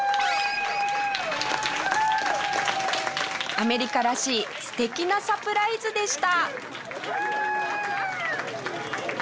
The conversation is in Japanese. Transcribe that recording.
アメリカらしい素敵なサプライズでした。